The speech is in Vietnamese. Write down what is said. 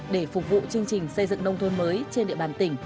để phục vụ chương trình xây dựng nông thôn mới trên địa bàn tỉnh